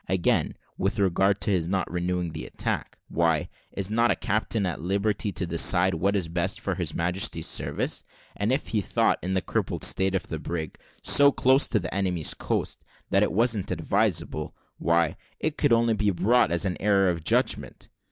Again, with regard to his not renewing the attack, why, is not a captain at liberty to decide what is the best for His Majesty's service? And if he thought, in the crippled state of the brig, so close to the enemy's coast, that it wasn't advisable, why, it could only be brought in as an error in judgment.